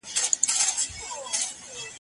سیاستپوهنه یو ټولنیز علم دی.